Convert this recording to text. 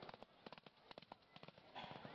Maiztasuna ez da berdina izango egun osoan zehar.